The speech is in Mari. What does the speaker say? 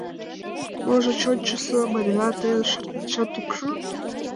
Можыч, ончычсо Марина, тыйын шортметшат ок шу?